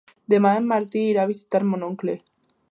Demà en Martí irà a visitar mon oncle.